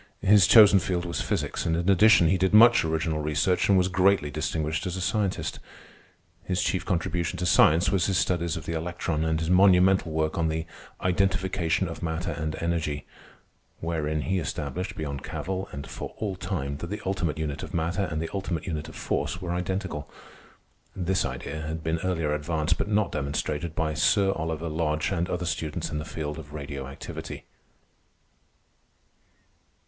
His chosen field was physics, and in addition he did much original research and was greatly distinguished as a scientist. His chief contribution to science was his studies of the electron and his monumental work on the "Identification of Matter and Energy," wherein he established, beyond cavil and for all time, that the ultimate unit of matter and the ultimate unit of force were identical. This idea had been earlier advanced, but not demonstrated, by Sir Oliver Lodge and other students in the new field of radio activity.